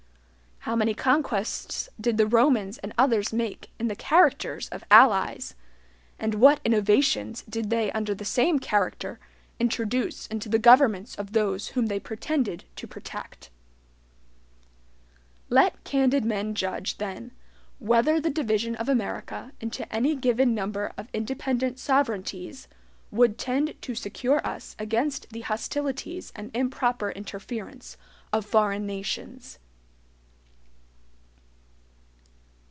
How many conquests did the Romans and others make in the characters of allies, and what innovations did they under the same character introduce into the governments of those whom they pretended to protect. Let candid men judge, then, whether the division of America into any given number of independent sovereignties would tend to secure us against the hostilities and improper interference of foreign nations.